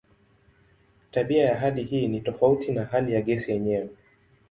Tabia ya hali hii ni tofauti na hali ya gesi yenyewe.